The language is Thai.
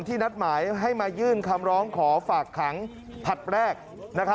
นัดหมายให้มายื่นคำร้องขอฝากขังผลัดแรก